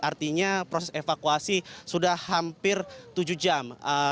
artinya proses evakuasi sudah hampir tujuh jam